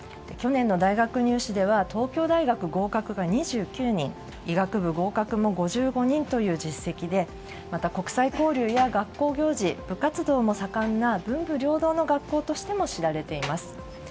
去年の大学入試では東京大学合格が２９人医学部合格も５５人という実績でまた国際交流や学校行事部活動も盛んな文武両道の学校としても知られています。